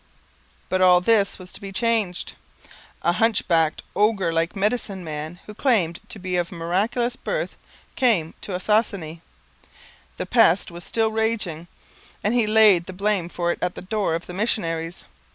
But all this was to be changed. A hunch backed, ogre like medicine man who claimed to be of miraculous birth came to Ossossane. The pest was still raging, and he laid the blame for it at the door of the missionaries.